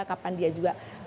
kapan dia juga